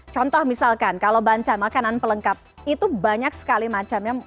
contoh misalkan kalau banca makanan pelengkap itu banyak sekali macamnya